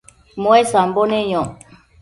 muesambo neyoc